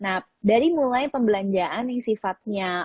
nah dari mulai pembelanjaan yang sifatnya